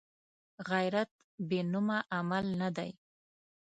غیرت بېنومه عمل نه دی